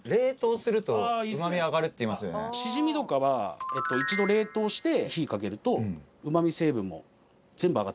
シジミとかは一度冷凍して火かけるとうま味成分も全部上がってるんで。